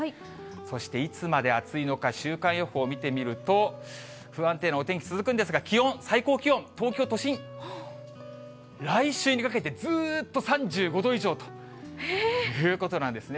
そしていつまで暑いのか、週間予報見てみると、不安定なお天気続くんですが、気温、最高気温、東京都心、来週にかけて、ずっと３５度以上ということなんですね。